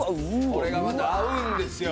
これがまた合うんですよ。